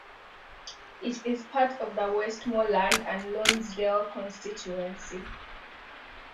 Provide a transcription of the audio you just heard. It is part of the Westmorland and Lonsdale constituency.